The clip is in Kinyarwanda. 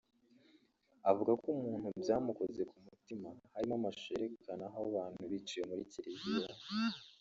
Avuga ko mu bintu byamukoze ku mutima harimo amashusho yerekana aho abantu biciwe muri kiriziya